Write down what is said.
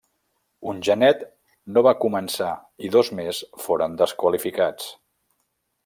Un genet no va començar i dos més foren desqualificats.